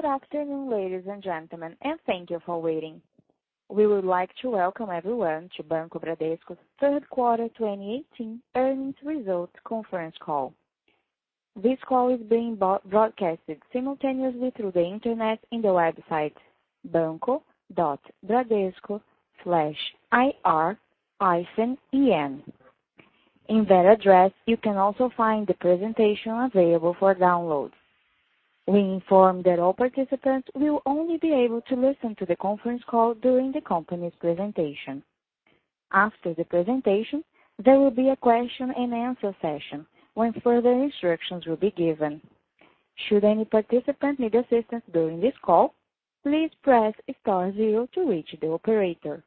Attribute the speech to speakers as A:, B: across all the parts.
A: Good afternoon, ladies and gentlemen, and thank you for waiting. We would like to welcome everyone to Banco Bradesco's third quarter 2018 earnings results conference call. This call is being broadcasted simultaneously through the Internet in the website banco.bradesco/ir-en. In that address, you can also find the presentation available for download. We inform that all participants will only be able to listen to the conference call during the company's presentation. After the presentation, there will be a question and answer session, when further instructions will be given. Should any participant need assistance during this call, please press star zero to reach the operator.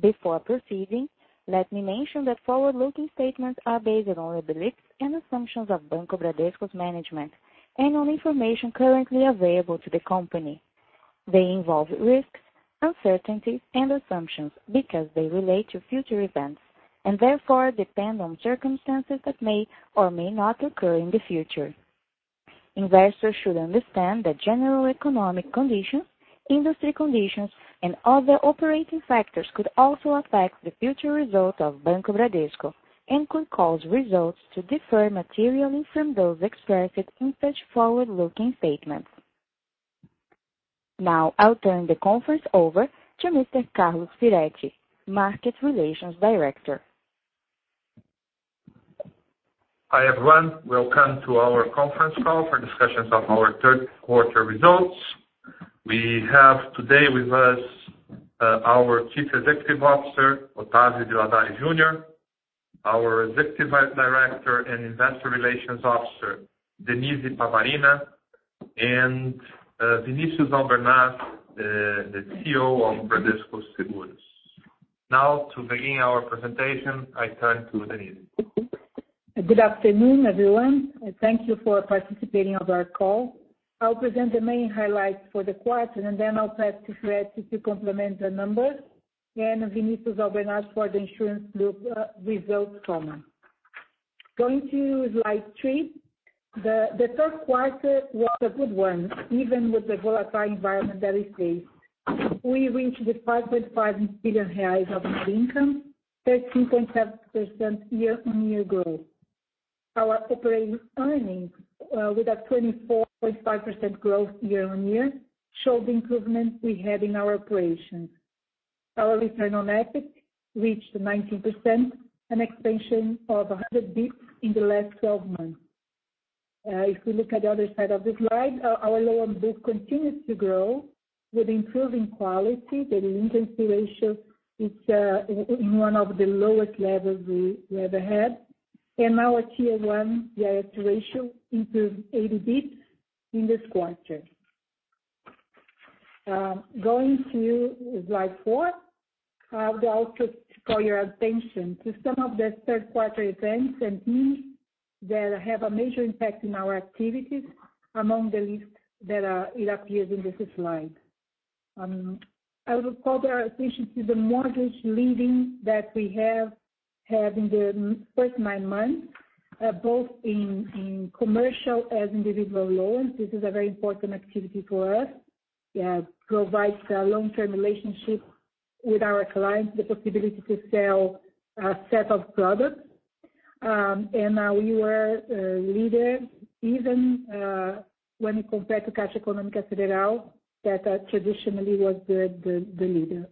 A: Before proceeding, let me mention that forward-looking statements are based on the beliefs and assumptions of Banco Bradesco's management and on information currently available to the company. They involve risks, uncertainties, and assumptions because they relate to future events and therefore depend on circumstances that may or may not occur in the future. Investors should understand that general economic conditions, industry conditions, and other operating factors could also affect the future result of Banco Bradesco and could cause results to differ materially from those expressed in such forward-looking statements. I'll turn the conference over to Mr. Carlos Firetti, Market Relations Director.
B: Hi, everyone. Welcome to our conference call for discussions of our third quarter results. We have today with us our Chief Executive Officer, Octavio de Lazari Jr., our Executive Director and Investor Relations Officer, Denise Pavarina, and Vinicius Albernaz, the CEO of Bradesco Seguros. To begin our presentation, I turn to Denise.
C: Good afternoon, everyone. Thank you for participating on our call. I'll present the main highlights for the quarter, and then I'll ask Firetti to complement the numbers, and Vinicius Albernaz for the insurance group results comment. Going to slide three. The third quarter was a good one, even with the volatile environment that we face. We reached 5.5 billion reais of net income, 13.7% year-on-year growth. Our operating earnings, with a 24.5% growth year-on-year, showed the improvement we had in our operations. Our return on assets reached 19%, an expansion of 100 basis points in the last 12 months. If we look at the other side of the slide, our loan book continues to grow with improving quality. The delinquency ratio is in one of the lowest levels we ever had. Our Tier 1 ratio improved 80 basis points in this quarter. Going to slide four. I would also call your attention to some of the 3rd quarter events and themes that have a major impact in our activities, among the list that it appears in this slide. I would call your attention to the mortgage lending that we have had in the first nine months, both in commercial and individual loans. This is a very important activity for us. It provides a long-term relationship with our clients, the possibility to sell a set of products. We were a leader even when compared to Caixa Econômica Federal, that traditionally was the leader.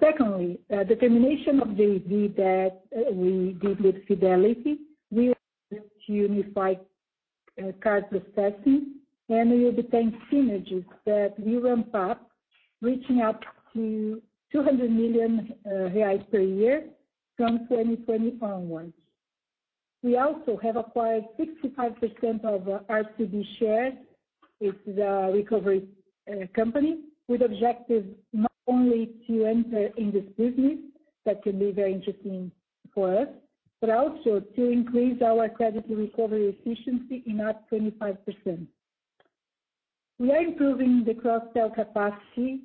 C: Secondly, the termination of the deal that we did with Fidelity. We are set to unify card processing, and we obtain synergies that we ramp up, reaching up to 200 million reais per year from 2020 onwards. We also have acquired 65% of RCB shares. It's a recovery company with objective not only to enter in this business, that can be very interesting for us, but also to increase our credit recovery efficiency up to 25%. We are improving the cross-sell capacity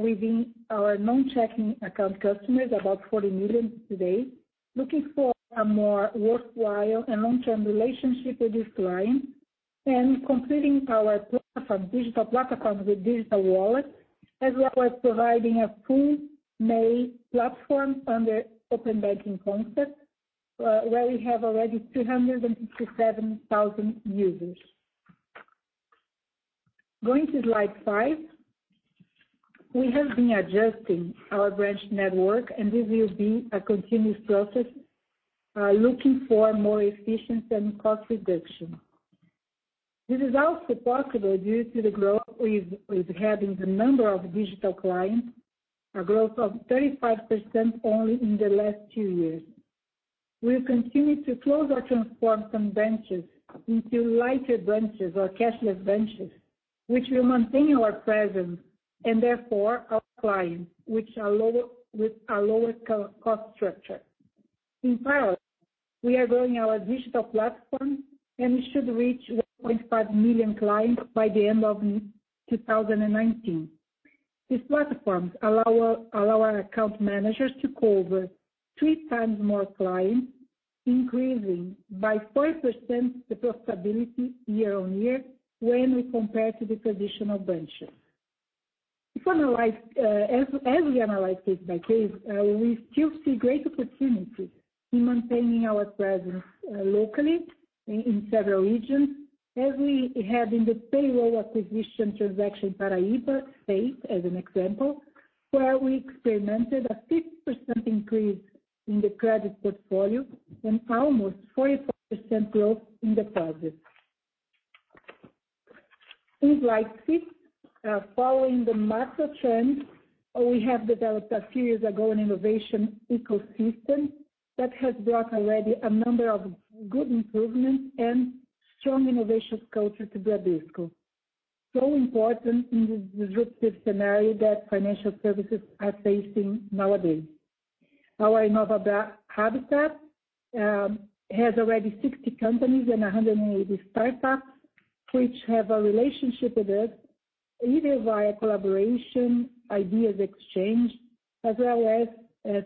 C: within our non-checking account customers, about 40 million today, looking for a more worthwhile and long-term relationship with this client and completing our platform, digital platform with digital wallet, as well as providing a full MAE platform under open banking concept, where we have already 257,000 users. Going to slide five. We have been adjusting our branch network, and this will be a continuous process, looking for more efficiency and cost reduction. This is also possible due to the growth we've had in the number of digital clients, a growth of 35% only in the last two years. We'll continue to close or transform some branches into lighter branches or cashless branches, which will maintain our presence and therefore our clients, with a lower cost structure. In parallel, we are growing our digital platform, and we should reach 1.5 million clients by the end of 2019. These platforms allow our account managers to cover three times more clients, increasing by 4% the profitability year-over-year when we compare to the traditional branches. As we analyze case by case, we still see great opportunities in maintaining our presence locally in several regions, as we had in the payroll acquisition transaction Paraíba state, as an example, where we experimented a 6% increase in the credit portfolio and almost 44% growth in deposits. In slide six, following the master trends, we have developed a few years ago an innovation ecosystem that has brought already a number of good improvements and strong innovation culture to Bradesco. Important in the disruptive scenario that financial services are facing nowadays. Our inovaBra habitat has already 60 companies and 180 startups, which have a relationship with us, either via collaboration, ideas exchange, as well as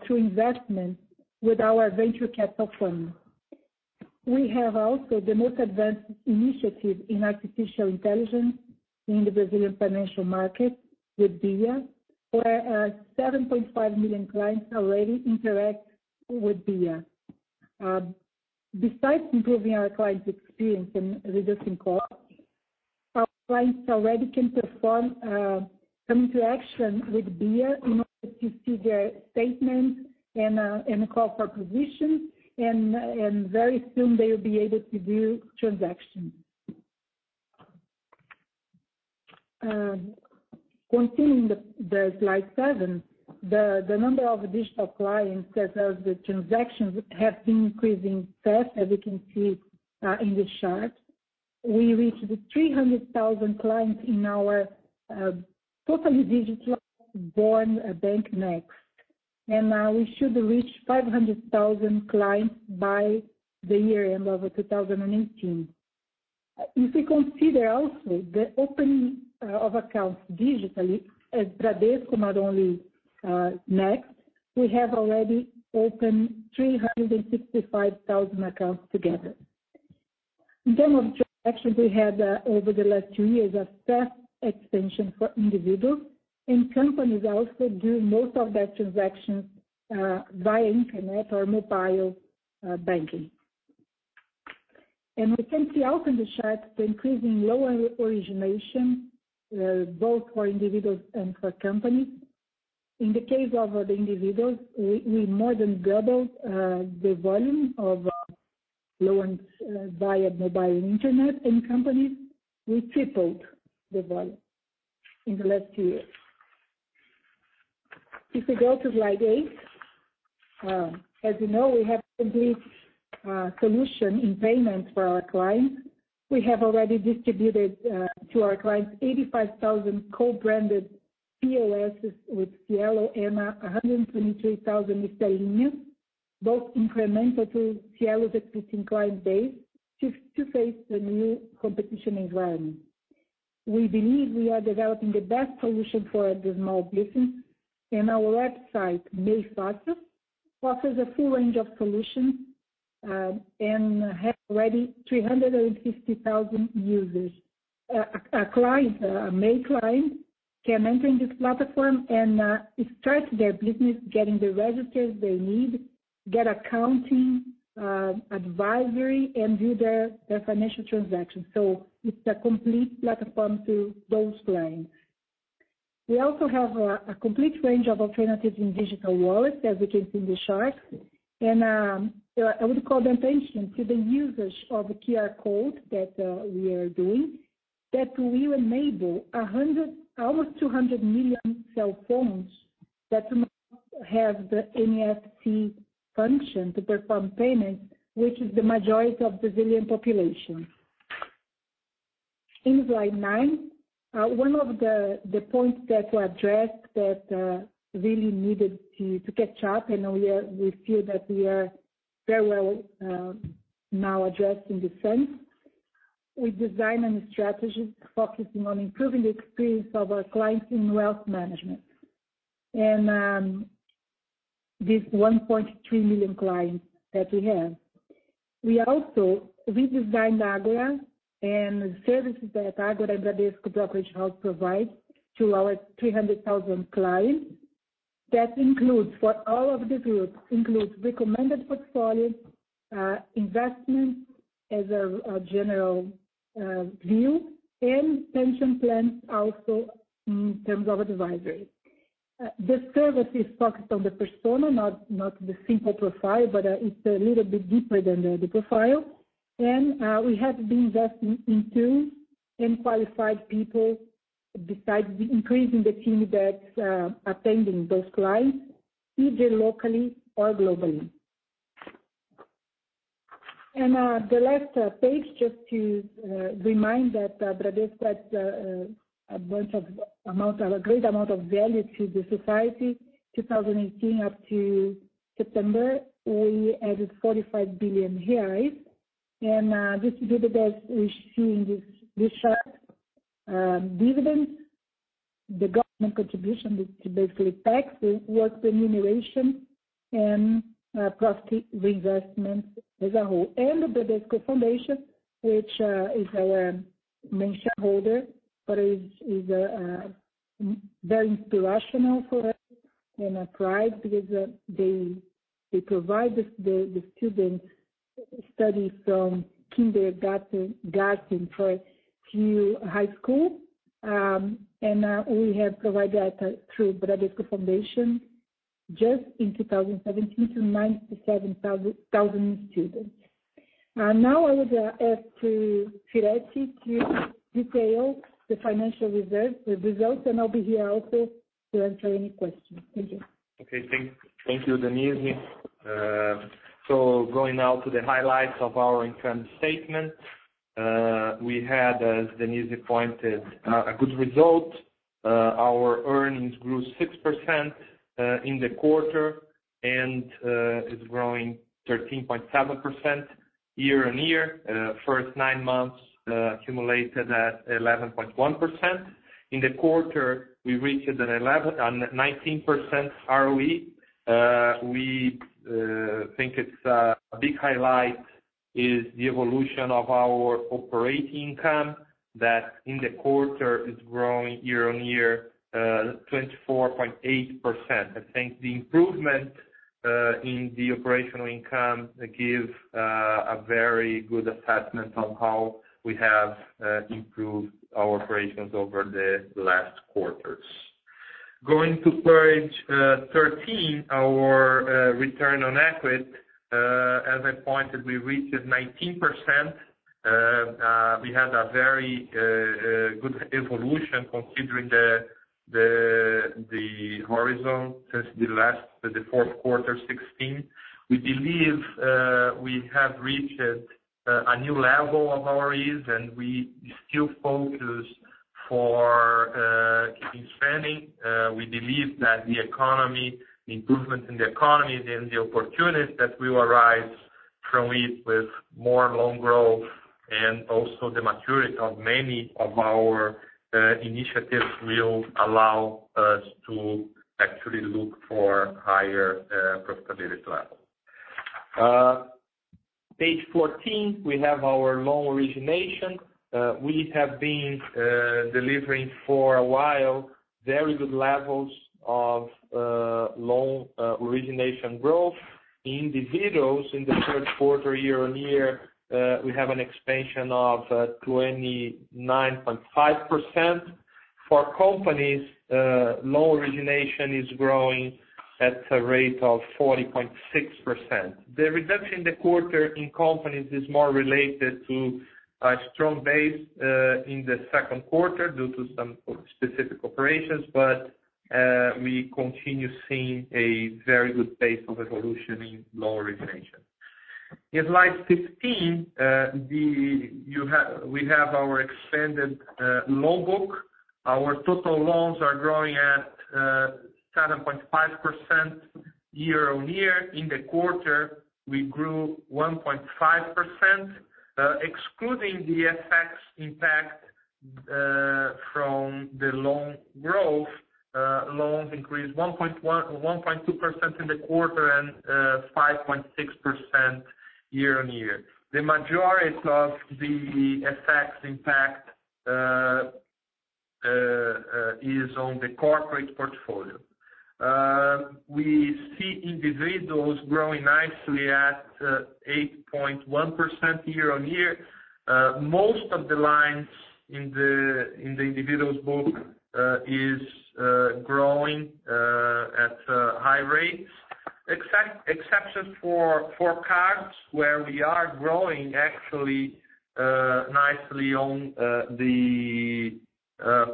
C: through investment with our venture capital firm. We have also the most advanced initiative in artificial intelligence in the Brazilian financial market with BIA, where 7.5 million clients already interact with BIA. Besides improving our clients' experience and reducing costs, our clients already can perform some interaction with BIA in order to see their statements and call for positions, and very soon they will be able to do transactions. Continuing the slide seven, the number of digital clients that have the transactions has been increasing fast, as you can see in this chart. We reached 300,000 clients in our totally digital born bank Next, and we should reach 500,000 clients by the year end of 2018. If you consider also the opening of accounts digitally as Bradesco, not only Next, we have already opened 365,000 accounts together. In terms of transactions we had over the last two years, a fast expansion for individuals, companies also do most of their transactions via internet or mobile banking. We can see also in the chart the increase in loan origination, both for individuals and for companies. In the case of the individuals, we more than doubled the volume of loans via mobile internet, companies, we tripled the volume in the last two years. If we go to slide eight, as you know, we have a complete solution in payments for our clients. We have already distributed to our clients 85,000 co-branded POS with Cielo e Mais, 123,000 Stelo unit, both incremental to Cielo's existing client base to face the new competition environment. We believe we are developing the best solution for the small business, our website, Meu Negócio, offers a full range of solutions and has already 350,000 users. A client, a main client, can enter in this platform and start their business, getting the registers they need, get accounting, advisory, and do their financial transactions. It's a complete platform to those clients. We also have a complete range of alternatives in digital wallets, as we can see in the chart. I would call the attention to the usage of QR code that we are doing that will enable almost 200 million cell phones that have the NFC function to perform payments, which is the majority of Brazilian population. In slide nine, one of the points that were addressed that really needed to catch up, we feel that we are very well now addressed in this sense. We design a new strategy focusing on improving the experience of our clients in wealth management and these 1.3 million clients that we have. We also redesigned Ágora and services that Ágora and Bradesco Brokerage House provides to our 300,000 clients. That includes for all of the groups, includes recommended portfolios, investments as a general view, and pension plans also in terms of advisory. The service is focused on the persona, not the simple profile, but it's a little bit deeper than the profile. We have been investing in tools and qualified people besides increasing the team that's attending those clients, either locally or globally. The last page, just to remind that Bradesco adds a great amount of value to the society. 2018 up to September, we added 45 billion BRL. This is due to, as we see in this chart, dividends, the government contribution to basically taxes, workers' remuneration, and profit reinvestment as a whole. The Bradesco Foundation, which is our main shareholder, but is very inspirational for us and a pride because they provide the students study from kindergarten through high school. We have provided, through Bradesco Foundation, just in 2017, to 97,000 students. I would ask Firetti to detail the financial results, and I will be here also to answer any questions. Thank you.
B: Thank you, Denise. Going now to the highlights of our income statement. We had, as Denise pointed, a good result. Our earnings grew 6% in the quarter and is growing 13.7% year-on-year. First nine months accumulated at 11.1%. In the quarter, we reached a 19% ROE. We think a big highlight is the evolution of our operating income that in the quarter is growing year-on-year 24.8%. I think the improvement in the operational income gives a very good assessment on how we have improved our operations over the last quarters. Going to page 13, our Return on Equity, as I pointed, we reached 19%. We had a very good evolution considering the horizon since the fourth quarter 2016. We believe we have reached a new level of ROEs, and we still focus for keeping spending. We believe that the economy, improvement in the economy, and the opportunities that will arise from it with more loan growth and also the maturity of many of our initiatives will allow us to actually look for higher profitability level. Page 14, we have our loan origination. We have been delivering for a while, very good levels of loan origination growth. Individuals in the third quarter, year-on-year, we have an expansion of 29.5%. For companies, loan origination is growing at a rate of 40.6%. The reduction in the quarter in companies is more related to a strong base in the second quarter due to some specific operations, but we continue seeing a very good pace of evolution in loan origination. In slide 15, we have our extended loan book. Our total loans are growing at 7.5% year-on-year. In the quarter, we grew 1.5%, excluding the effects impact from the loan growth, loans increased 1.2% in the quarter and 5.6% year-on-year. The majority of the effects impact is on the corporate portfolio. We see individuals growing nicely at 8.1% year-on-year. Most of the lines in the individual's book is growing at high rates, exception for cards where we are growing actually nicely on the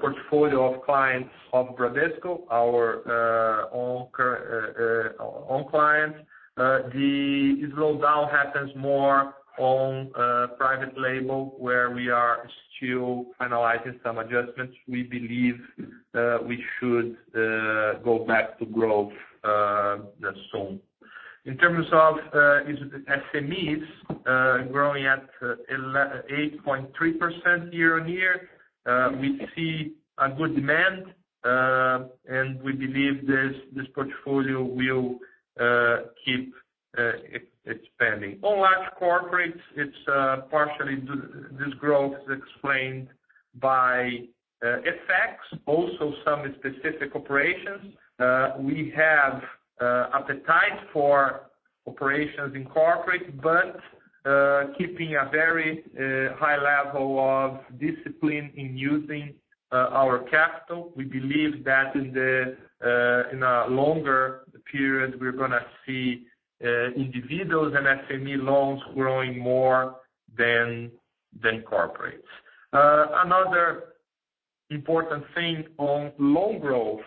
B: portfolio of clients of Bradesco, our own clients. The slowdown happens more on private label where we are still analyzing some adjustments. We believe we should go back to growth soon. In terms of SMEs, growing at 8.3% year-on-year. We see a good demand, and we believe this portfolio will keep expanding. On large corporates, this growth is explained by effects, also some specific operations. We have appetite for operations in corporate, but keeping a very high level of discipline in using our capital. We believe that in a longer period, we're going to see individuals and SME loans growing more than corporates. Another important thing on loan growth,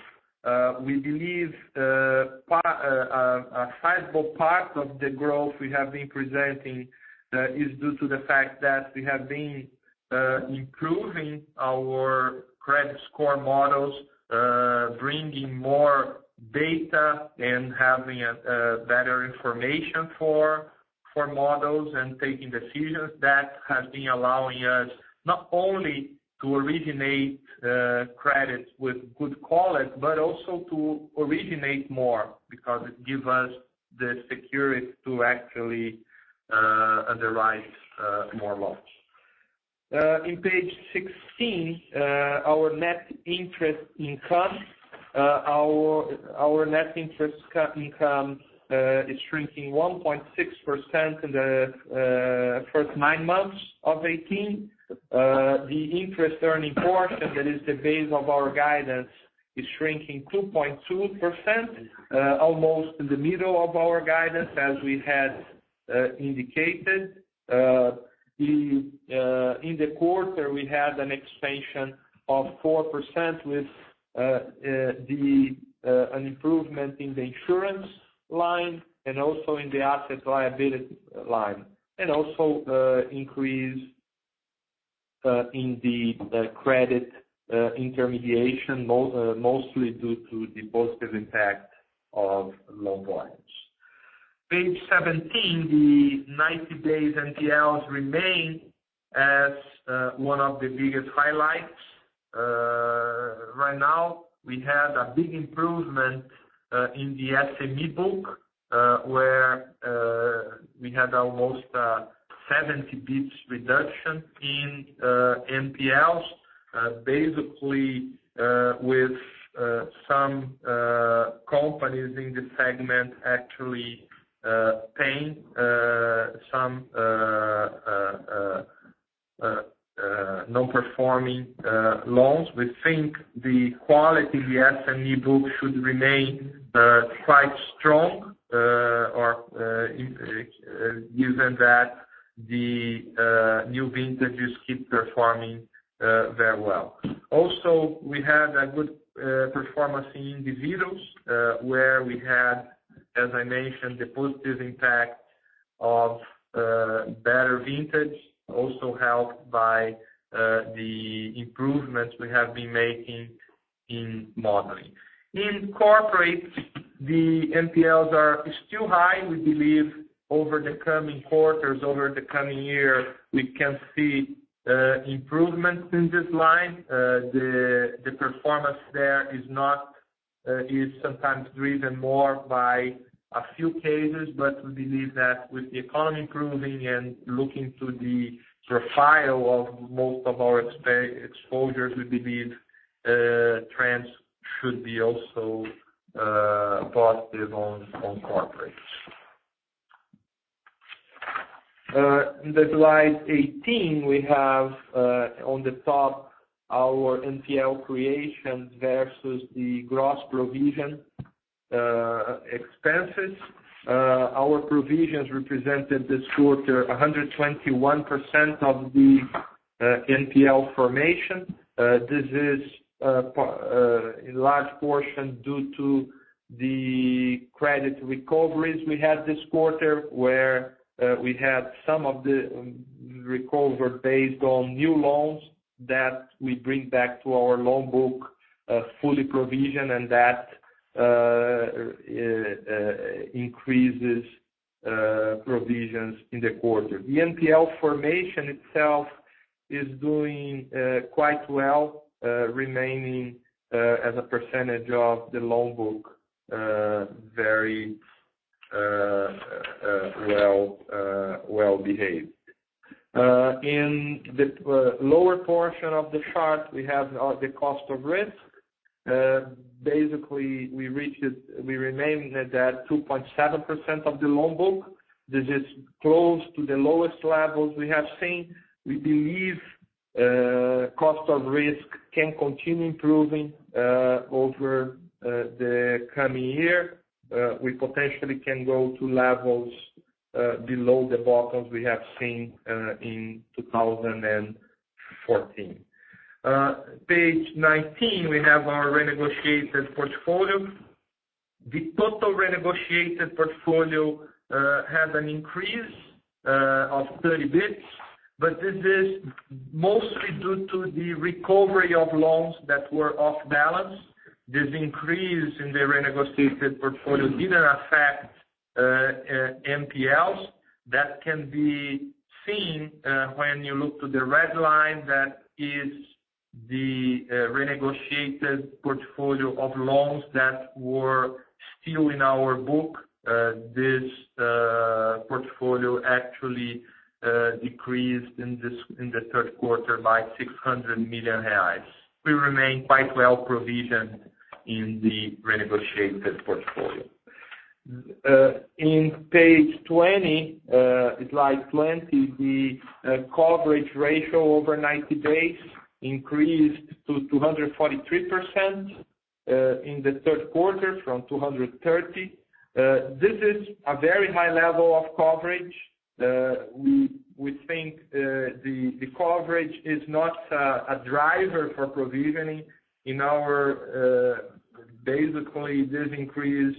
B: we believe a sizable part of the growth we have been presenting is due to the fact that we have been improving our credit score models, bringing more data and having better information for models and taking decisions. That has been allowing us not only to originate credits with good quality, but also to originate more because it gives us the security to actually underwrite more loans. In page 16, our net interest income is shrinking 1.6% in the first nine months of 2018. The interest earning portion, that is the base of our guidance, is shrinking 2.2%, almost in the middle of our guidance as we had indicated. In the quarter, we had an expansion of 4% with an improvement in the insurance line and also in the asset liability line, and also increase in the credit intermediation, mostly due to the positive impact of loan volumes. Page 17, the 90-day NPLs remain as one of the biggest highlights. Right now, we have a big improvement in the SME book, where we had almost 70 basis points reduction in NPLs, basically with some companies in the segment actually paying some Non-Performing Loans. We think the quality of the SME book should remain quite strong, given that the new vintages keep performing very well. Also, we have a good performance in individuals, where we had, as I mentioned, the positive impact of better vintage, also helped by the improvements we have been making in modeling. In corporate, the NPLs are still high. We believe over the coming quarters, over the coming year, we can see improvements in this line. The performance there is sometimes driven more by a few cases, but we believe that with the economy improving and looking to the profile of most of our exposures, we believe trends should be also positive on corporates. In the slide 18, we have on the top our NPL creations versus the gross provision expenses. Our provisions represented this quarter, 121% of the NPL formation. This is in large portion due to the credit recoveries we had this quarter, where we had some of the recovery based on new loans that we bring back to our loan book, fully provisioned, and that increases provisions in the quarter. The NPL formation itself is doing quite well, remaining as a percentage of the loan book, very well-behaved. In the lower portion of the chart, we have the cost of risk. Basically, we remain at that 2.7% of the loan book. This is close to the lowest levels we have seen. We believe cost of risk can continue improving over the coming year. We potentially can go to levels below the bottoms we have seen in 2014. Page 19, we have our renegotiated portfolio. The total renegotiated portfolio has an increase of 30 basis points, but this is mostly due to the recovery of loans that were off-balance. This increase in the renegotiated portfolio didn't affect NPLs. That can be seen when you look to the red line, that is the renegotiated portfolio of loans that were still in our book. This portfolio actually decreased in the third quarter by 600 million reais. We remain quite well-provisioned in the renegotiated portfolio. In page 20, slide 20, the coverage ratio over 90 days increased to 243% in the third quarter from 230%. This is a very high level of coverage. We think the coverage is not a driver for provisioning in our bank. Basically, this increase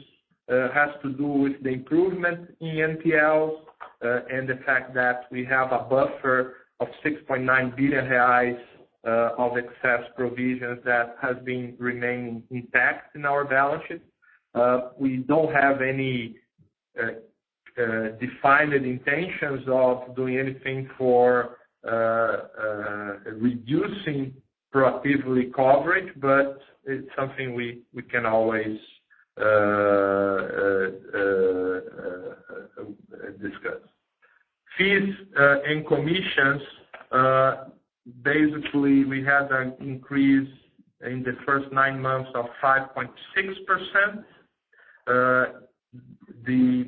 B: has to do with the improvement in NPLs, and the fact that we have a buffer of 6.9 billion reais of excess provisions that has been remaining intact in our balance sheet. We don't have any defined intentions of doing anything for reducing proactively coverage, but it's something we can always discuss. Fees and commissions. Basically, we had an increase in the first nine months of 5.6%. The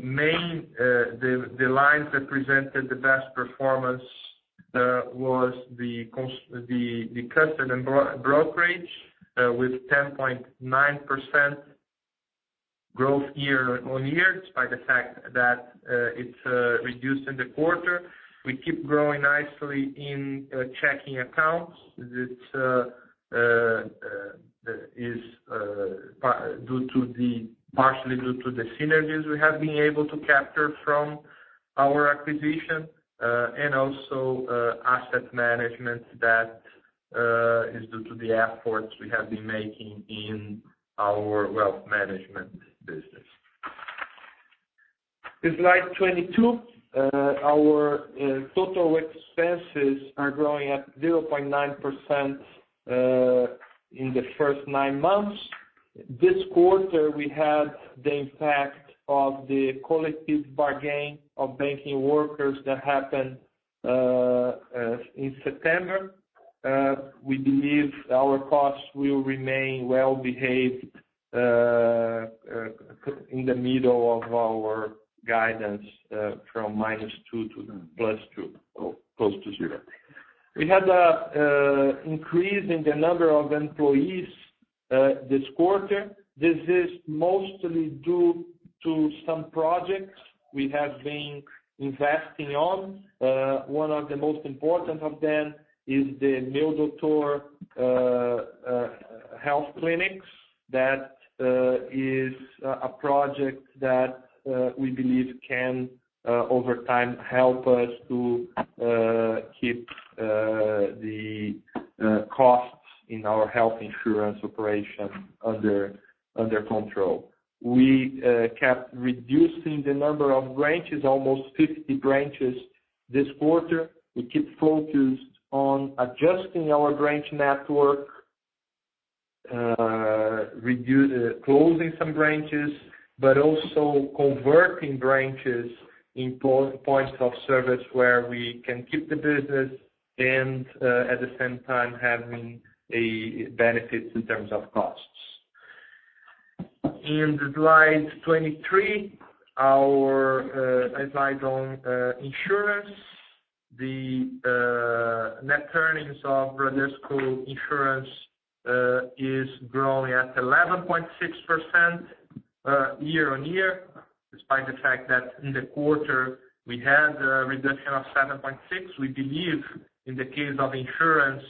B: lines that presented the best performance was the custody and brokerage, with 10.9% growth year-on-year, despite the fact that it reduced in the quarter. We keep growing nicely in checking accounts. That is partially due to the synergies we have been able to capture from our acquisition. Also, asset management that is due to the efforts we have been making in our wealth management business. Slide 22. Our total expenses are growing at 0.9% in the first nine months. This quarter, we had the impact of the collective bargain of banking workers that happened in September. We believe our costs will remain well-behaved in the middle of our guidance from -2% to +2%, close to 0. We had an increase in the number of employees this quarter. This is mostly due to some projects we have been investing on. One of the most important of them is the Meu Doutor Health Clinics. That is a project that we believe can, over time, help us to keep the costs in our health insurance operation under control. We kept reducing the number of branches, almost 50 branches this quarter. We keep focused on adjusting our branch network, closing some branches, but also converting branches in points of service where we can keep the business and at the same time, having a benefit in terms of costs. In slide 23, our slide on insurance. The net earnings of Bradesco Seguros is growing at 11.6% year-on-year, despite the fact that in the quarter we had a reduction of 7.6%. We believe in the case of insurance,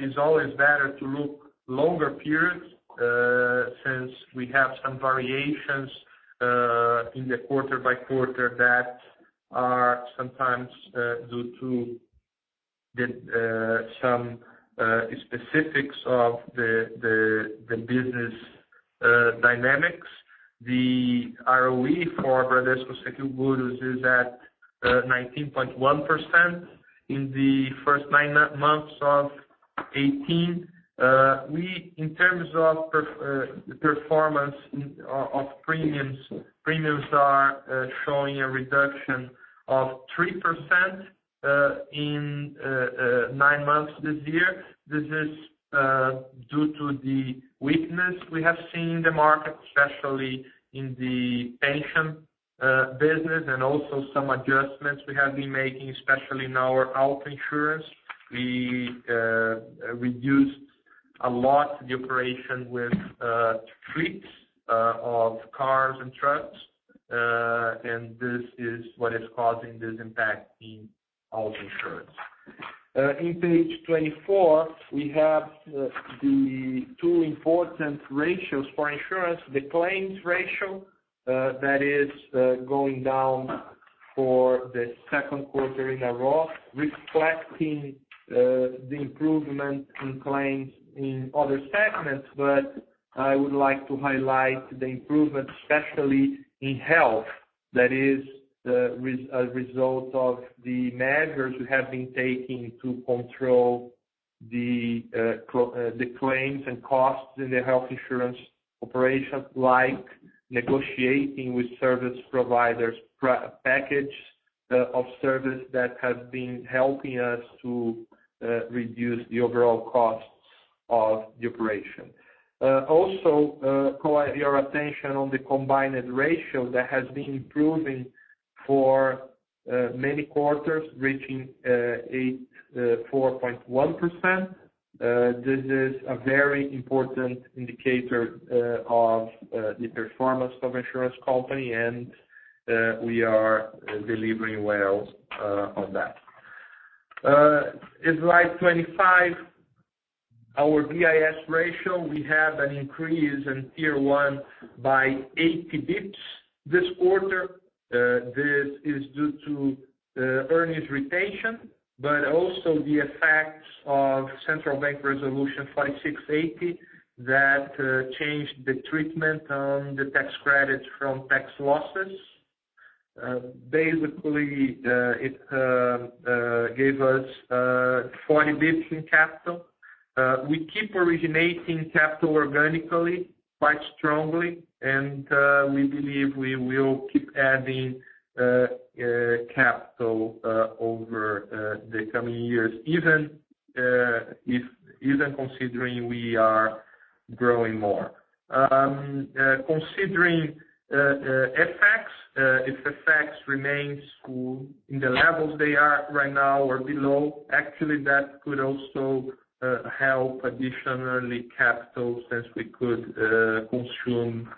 B: it's always better to look longer periods, since we have some variations in the quarter-by-quarter that are sometimes due to some specifics of the business dynamics. The ROE for Bradesco Seguros is at 19.1% in the first nine months of 2018. We, in terms of performance of premiums are showing a reduction of 3% in nine months this year. This is due to the weakness we have seen in the market, especially in the pension business and also some adjustments we have been making, especially in our health insurance. We reduced a lot the operation with fleets of cars and trucks, and this is what is causing this impact in auto insurance. In page 24, we have the two important ratios for insurance. The claims ratio, that is going down for the second quarter in a row, reflecting the improvement in claims in other segments. I would like to highlight the improvement, especially in health, that is a result of the measures we have been taking to control the claims and costs in the health insurance operations, like negotiating with service providers, package of service that has been helping us to reduce the overall costs of the operation. Also call your attention on the combined ratio that has been improving for many quarters, reaching 84.1%. This is a very important indicator of the performance of insurance company, and we are delivering well on that. In slide 25, our BIS ratio, we have an increase in Q1 by 80 basis points this quarter. This is due to earnings retention, also the effects of Central Bank Resolution 4,680 that changed the treatment on the tax credits from tax losses. Basically, it gave us 40 basis points in capital. We keep originating capital organically quite strongly, and we believe we will keep adding capital over the coming years, even considering we are growing more. Considering FX, if FX remains in the levels they are right now or below, actually, that could also help additionally capital since we could consume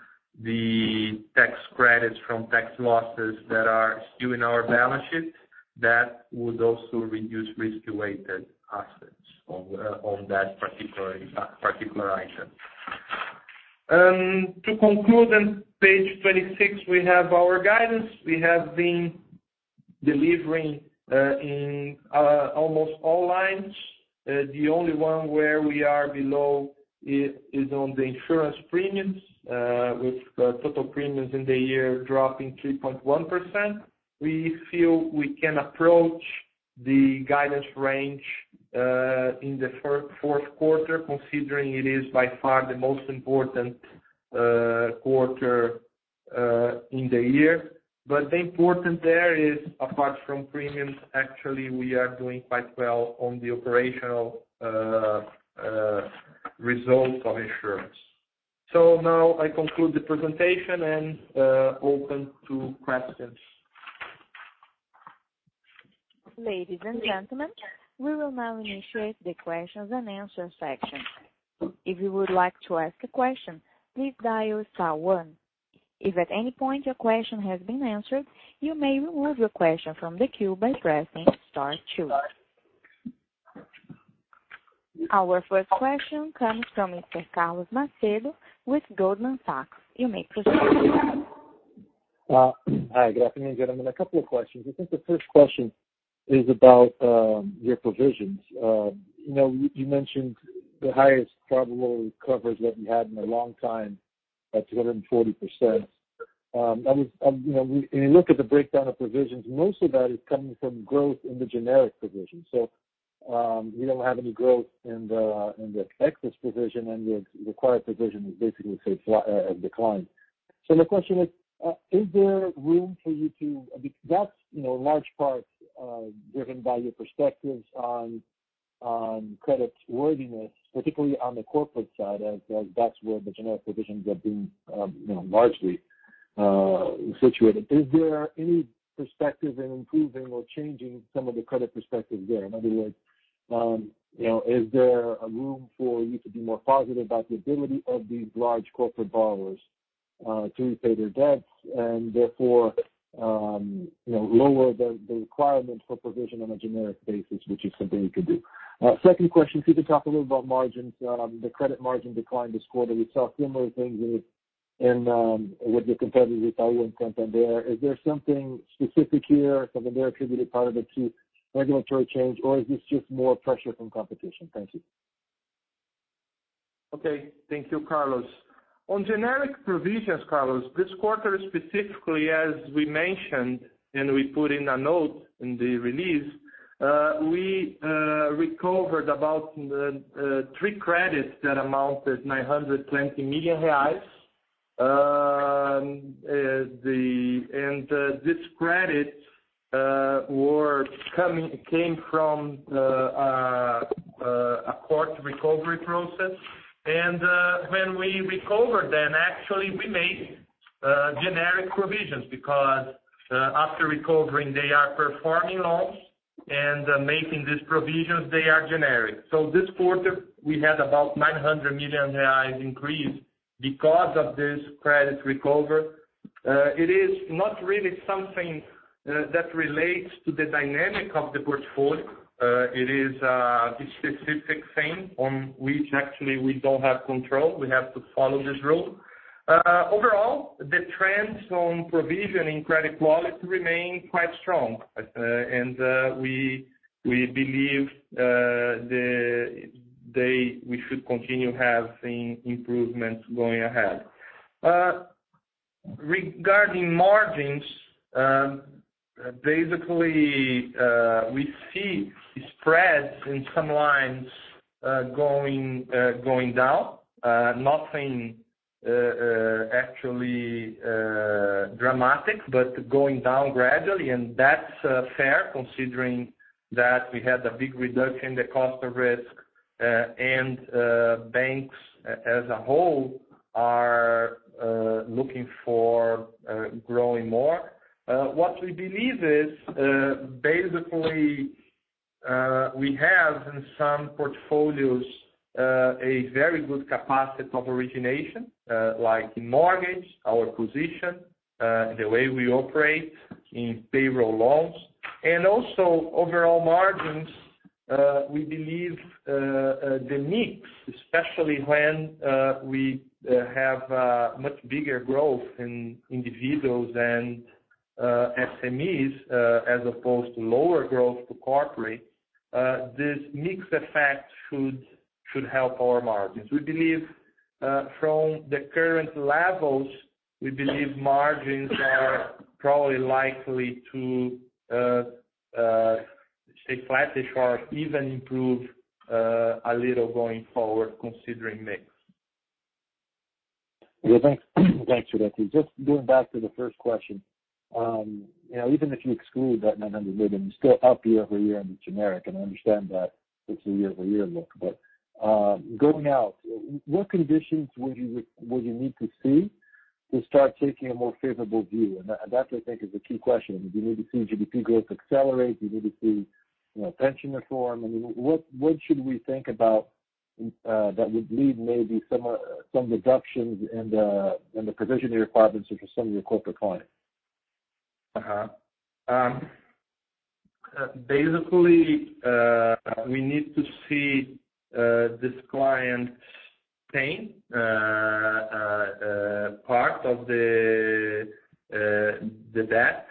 B: the tax credits from tax losses that are still in our balance sheet. That would also reduce risk-weighted assets of that particular item. To conclude, on page 26, we have our guidance. We have been delivering in almost all lines. The only one where we are below is on the insurance premiums, with total premiums in the year dropping 3.1%. We feel we can approach the guidance range in the fourth quarter, considering it is by far the most important quarter in the year. The importance there is apart from premiums, actually, we are doing quite well on the operational results of insurance. Now I conclude the presentation and open to questions.
A: Ladies and gentlemen, we will now initiate the questions and answers section. If you would like to ask a question, please dial star one. If at any point your question has been answered, you may remove your question from the queue by pressing star two. Our first question comes from Mr. Carlos Macedo with Goldman Sachs. You may proceed.
D: Hi. Good afternoon, gentlemen. A couple of questions. I think the first question is about your provisions. You mentioned the highest probable coverage that we had in a long time at 240%. When you look at the breakdown of provisions, most of that is coming from growth in the generic provisions. we don't have any growth in the excess provision, and the required provision is basically declined. My question is there room for you to That's large part driven by your perspectives on credit worthiness, particularly on the corporate side, as that's where the generic provisions are being largely situated. Is there any perspective in improving or changing some of the credit perspectives there? In other words, is there a room for you to be more positive about the ability of these large corporate borrowers to repay their debts and therefore lower the requirement for provision on a generic basis, which is something you could do? Second question, could you talk a little about margins? The credit margin declined this quarter. We saw similar things with your competitors, Itaú and Santander. Is there something specific here, something that attributed part of it to regulatory change, or is this just more pressure from competition? Thank you.
B: Okay. Thank you, Carlos. On generic provisions, Carlos, this quarter specifically, as we mentioned, and we put in a note in the release we recovered about three credits that amounted BRL 920 million. These credits came from a court recovery process. When we recovered them, actually, we made generic provisions because after recovering, they are performing loans and making these provisions, they are generic. This quarter, we had about 900 million reais increase because of this credit recovery. It is not really something that relates to the dynamic of the portfolio. It is a specific thing on which actually we don't have control. We have to follow this rule. Overall, the trends on provision in credit quality remain quite strong, and we believe we should continue having improvements going ahead. Regarding margins, basically we see spreads in some lines going down. Nothing actually dramatic, but going down gradually, and that's fair considering that we had a big reduction in the cost of risk, and banks as a whole are looking for growing more. What we believe is, basically, we have in some portfolios, a very good capacity of origination, like in mortgage, our position, the way we operate in payroll loans. overall margins, we believe the mix, especially when we have much bigger growth in individuals than SMEs as opposed to lower growth to corporate, this mix effect should help our margins. We believe from the current levels, we believe margins are probably likely to stay flat or even improve a little going forward considering mix.
D: Well, thanks, Rodrigo. Just going back to the first question. Even if you exclude that 900 million, you're still up year-over-year on the generic, and I understand that it's a year-over-year look. Going out, what conditions would you need to see to start taking a more favorable view? That, I think, is the key question. Do you need to see GDP growth accelerate? Do you need to see pension reform? What should we think about that would lead maybe some reductions in the provisionary requirements for some of your corporate clients?
B: Basically, we need to see this client paying part of the debt.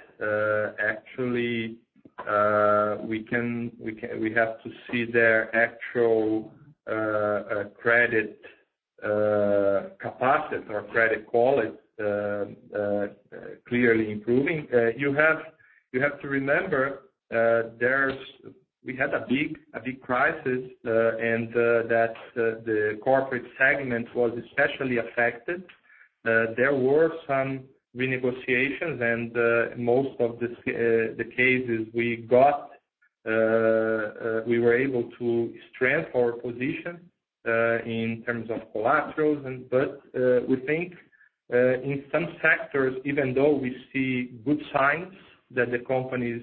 B: Actually, we have to see their actual credit capacity or credit quality clearly improving. You have to remember, we had a big crisis, that the corporate segment was especially affected. There were some renegotiations and most of the cases we got, we were able to strengthen our position in terms of collaterals. We think in some sectors, even though we see good signs that the companies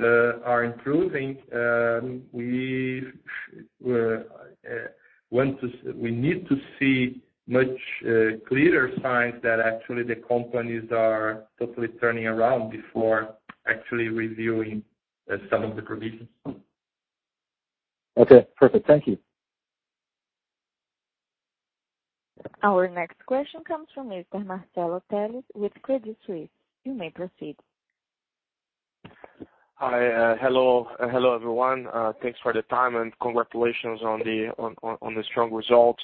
B: are improving, we need to see much clearer signs that actually the companies are totally turning around before actually reviewing some of the provisions.
D: Okay, perfect. Thank you.
A: Our next question comes from Mr. Marcelo Telles with Credit Suisse. You may proceed.
E: Hi. Hello, everyone. Thanks for the time and congratulations on the strong results.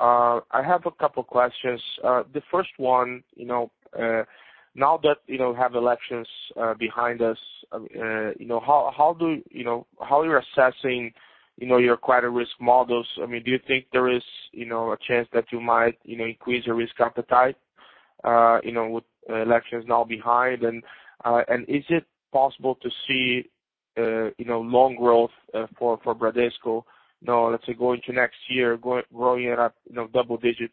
E: I have a couple questions. The first one, now that we have elections behind us, how are you assessing your credit risk models? Do you think there is a chance that you might increase your risk appetite, with elections now behind? Is it possible to see loan growth for Bradesco, let's say, going to next year, growing it at double-digit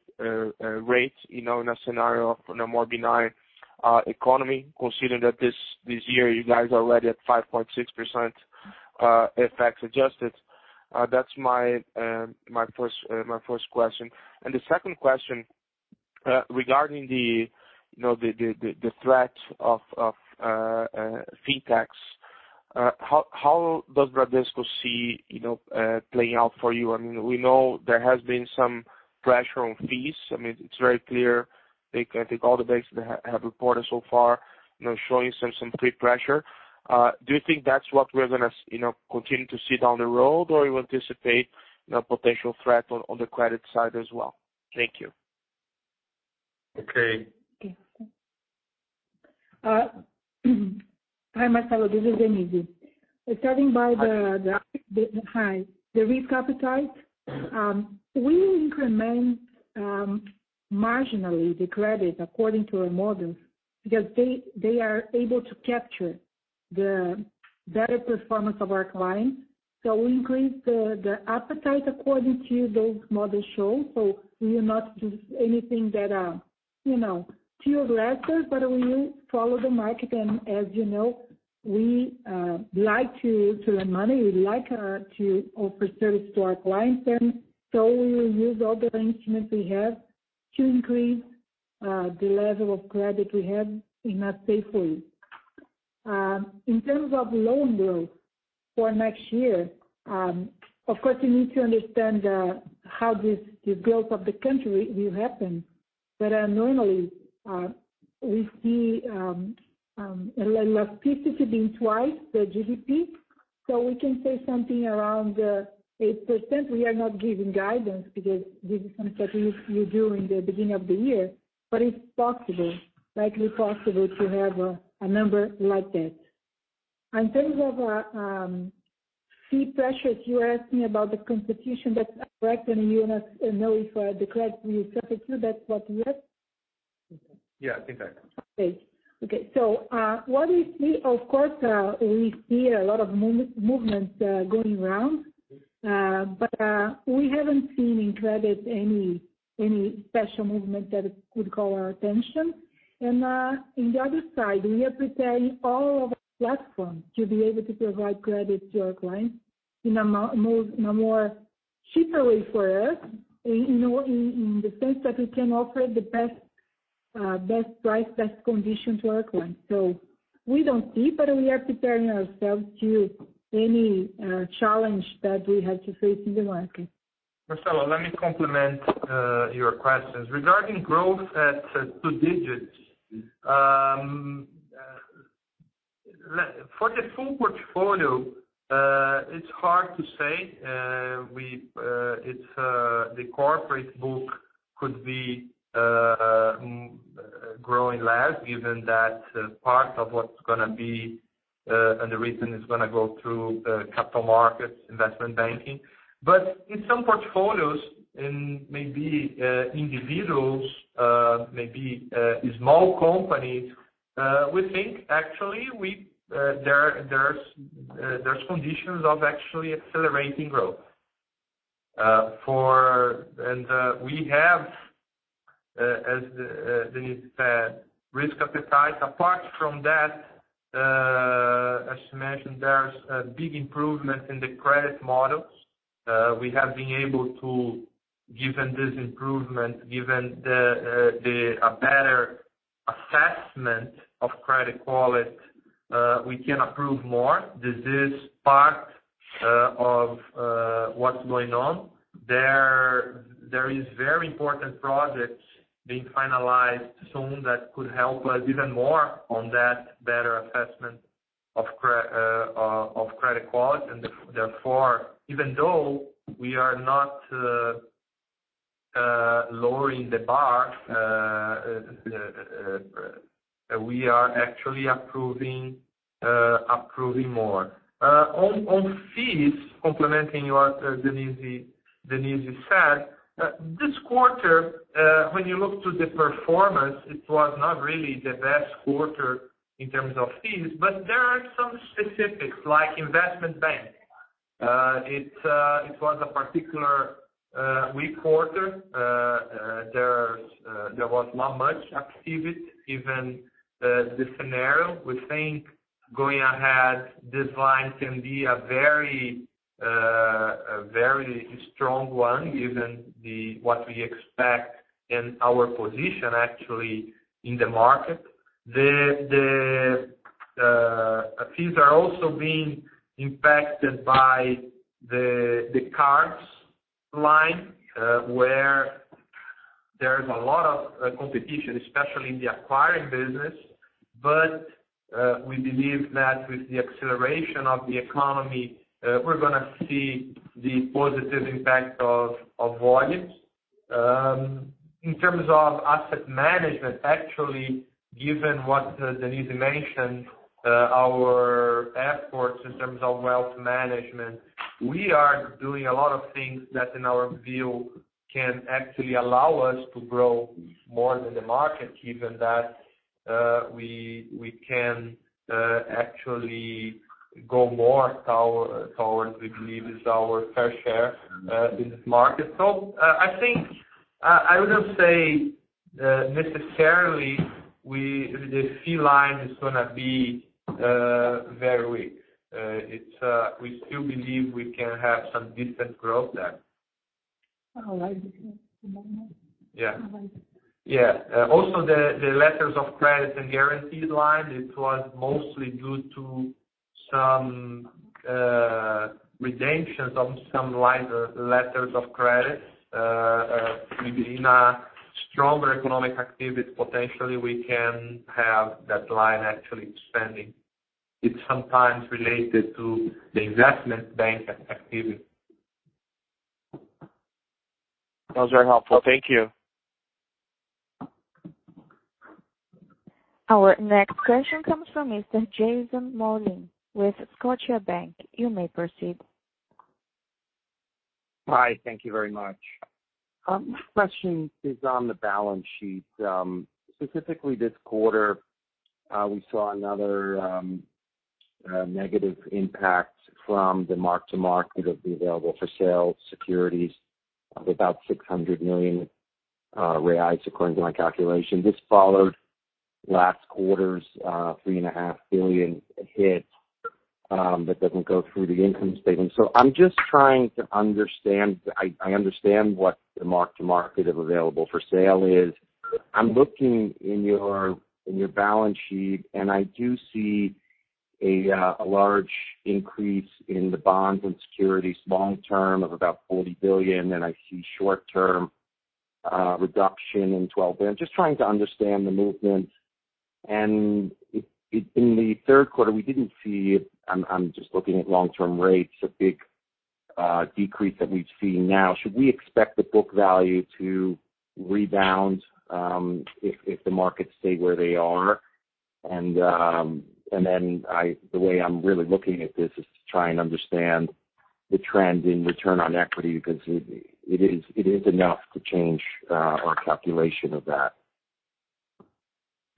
E: rates in a scenario of a more benign economy, considering that this year you guys are already at 5.6% FX adjusted? That's my first question. The second question, regarding the threat of fee tax, how does Bradesco see it playing out for you? We know there has been some pressure on fees. It's very clear. I think all the banks that have reported so far, showing some fee pressure. Do you think that's what we're going to continue to see down the road, or you anticipate potential threat on the credit side as well? Thank you.
B: Okay.
C: Hi, Marcelo. This is Denise. Starting by the risk appetite, we increment marginally the credit according to our models because they are able to capture the better performance of our clients. So we increase the appetite according to those models show, so we are not doing anything that too aggressive, but we follow the market. As you know, we like to lend money, we like to offer service to our clients, and so we will use all the instruments we have to increase the level of credit we have in a safe way. In terms of loan growth for next year, of course, we need to understand how this growth of the country will happen. Normally, we see elasticity being twice the GDP, so we can say something around 8%. We are not giving guidance because this is something that we do in the beginning of the year, but it's possible, likely possible to have a number like that. In terms of fee pressures, you were asking about the competition that's affecting you and also the credit usage. Is that what you asked?
E: Yeah, exactly.
C: Of course, we see a lot of movements going around. We haven't seen in credit any special movement that could call our attention. In the other side, we are preparing all of our platforms to be able to provide credit to our clients in a more cheaper way for us, in the sense that we can offer the best price, best condition to our client. We don't see, but we are preparing ourselves to any challenge that we have to face in the market.
B: Marcelo, let me complement your questions. Regarding growth at two digits. For the full portfolio, it's hard to say. The corporate book could be growing less given that part of what's going to be, the reason it's going to go through capital markets, investment banking. In some portfolios, in maybe individuals, maybe small companies, we think actually there's conditions of actually accelerating growth. We have, as Denise said, risk appetite. Apart from that, as she mentioned, there's a big improvement in the credit models. We have been able to, given this improvement, given a better assessment of credit quality, we can approve more. This is part of what's going on. There is very important projects being finalized soon that could help us even more on that better assessment of credit quality. Therefore, even though we are not lowering the bar, we are actually approving more. On fees, complementing what Denise said, this quarter, when you look to the performance, it was not really the best quarter in terms of fees, there are some specifics like investment banking. It was a particular weak quarter. There was not much activity, given the scenario. We think going ahead, this line can be a very strong one given what we expect and our position actually in the market. The fees are also being impacted by the cards line, where there's a lot of competition, especially in the acquiring business. We believe that with the acceleration of the economy, we're going to see the positive impact of volumes. In terms of asset management, actually, given what Denise mentioned, our efforts in terms of wealth management, we are doing a lot of things that in our view, can actually allow us to grow more than the market, given that we can actually go more towards, we believe is our fair share in this market. I think, I wouldn't say necessarily the fee line is going to be very weak. We still believe we can have some decent growth there.
C: All right. Do you want more?
B: Yeah. The letters of credit and guarantees line, it was mostly due to some redemptions of some letters of credit. Maybe in a stronger economic activity, potentially we can have that line actually expanding. It's sometimes related to the investment bank activity.
E: That was very helpful. Thank you.
A: Our next question comes from Mr. Jason Molins with Scotiabank. You may proceed.
F: Hi, thank you very much. My question is on the balance sheet. Specifically this quarter, we saw another negative impact from the mark to market of the available-for-sale securities of about 600 million reais, according to my calculation. This followed last quarter's three and a half billion hit that doesn't go through the income statement. I'm just trying to understand. I understand what the mark to market of available-for-sale is. I'm looking in your balance sheet, I do see a large increase in the bonds and securities long-term of about 40 billion, I see short-term reduction in 12 billion. Just trying to understand the movement. In the third quarter, we didn't see. I'm just looking at long-term rates, a big decrease that we've seen now. Should we expect the book value to rebound if the markets stay where they are? The way I'm really looking at this is to try and understand the trend in return on equity, because it is enough to change our calculation of that.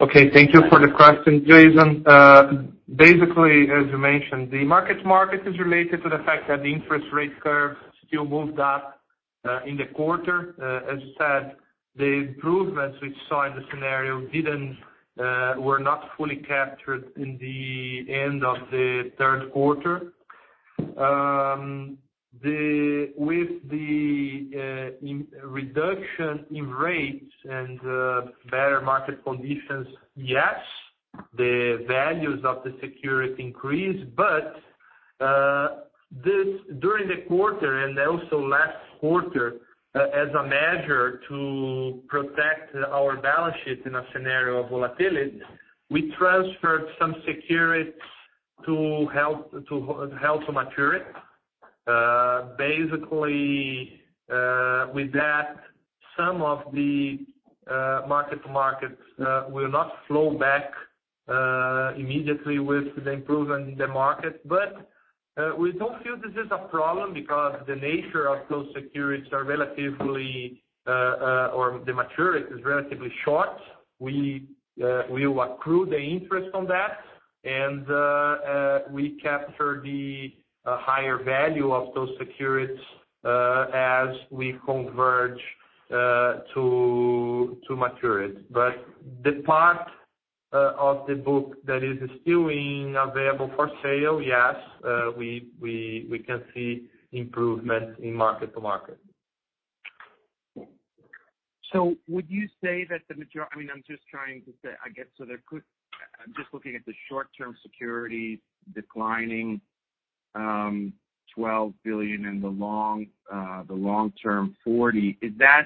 B: Okay. Thank you for the question, Jason. Basically, as you mentioned, the mark to market is related to the fact that the interest rate curve still moved up in the quarter. As you said, the improvements we saw in the scenario were not fully captured in the end of the third quarter. With the reduction in rates and better market conditions, yes, the values of the security increase. During the quarter and also last quarter, as a measure to protect our balance sheet in a scenario of volatility, we transferred some securities to held-to-maturity. Basically, with that, some of the mark-to-markets will not flow back immediately with the improvement in the market. We don't feel this is a problem because the nature of those securities, or the maturity is relatively short. We will accrue the interest on that, we capture the higher value of those securities as we converge to maturity. The part of the book that is still available-for-sale, yes, we can see improvement in mark-to-market.
F: Would you say that the majority? I'm just looking at the short-term security declining 12 billion and the long-term 40. That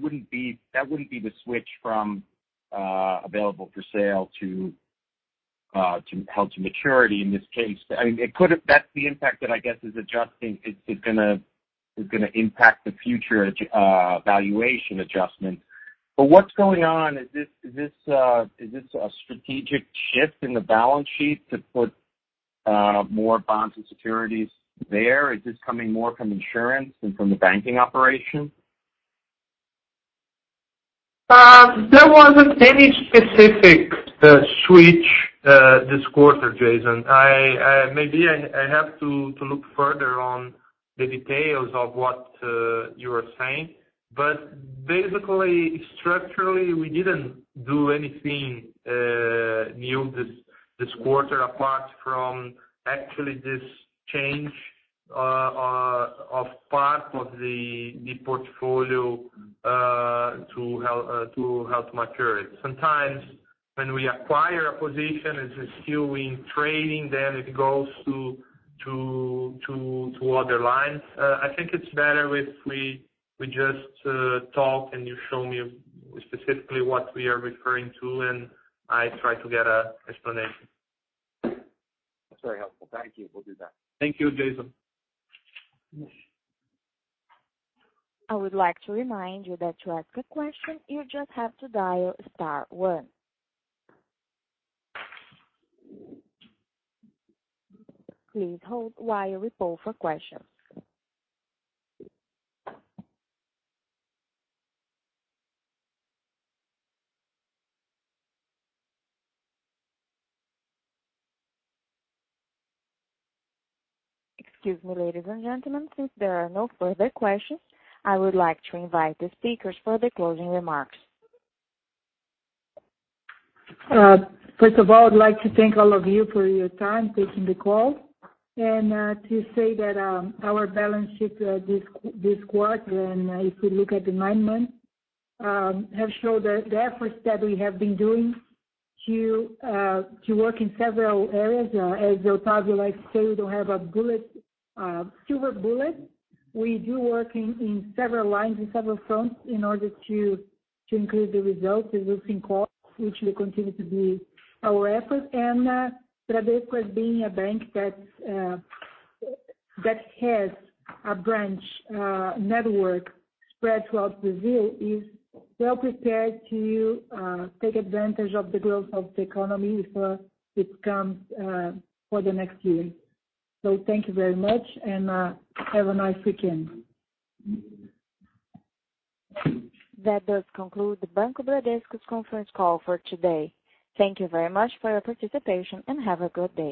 F: wouldn't be the switch from available-for-sale to held-to-maturity in this case. That's the impact that I guess is going to impact the future valuation adjustment. What's going on? Is this a strategic shift in the balance sheet to put more bonds and securities there? Is this coming more from insurance than from the banking operation?
B: There wasn't any specific switch this quarter, Jason. Maybe I have to look further on the details of what you are saying. Basically, structurally, we didn't do anything new this quarter, apart from actually this change of part of the portfolio to held-to-maturity. Sometimes when we acquire a position, it's still in trading, it goes to other lines. I think it's better if we just talk and you show me specifically what we are referring to, I try to get an explanation.
F: That's very helpful. Thank you. We'll do that.
B: Thank you, Jason.
A: I would like to remind you that to ask a question, you just have to dial star one. Please hold while we poll for questions. Excuse me, ladies and gentlemen. Since there are no further questions, I would like to invite the speakers for their closing remarks.
C: First of all, I'd like to thank all of you for your time taking the call and to say that our balance sheet this quarter, and if we look at the nine months, have showed the efforts that we have been doing to work in several areas. As Octavio likes to say, we don't have a silver bullet. We do work in several lines, in several fronts in order to include the results, reducing costs, which will continue to be our effort. Bradesco, as being a bank that has a branch network spread throughout Brazil, is well prepared to take advantage of the growth of the economy if it comes for the next year. Thank you very much, and have a nice weekend.
A: That does conclude the Banco Bradesco's conference call for today. Thank you very much for your participation, and have a good day.